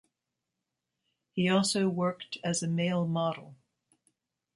He also worked as a male model.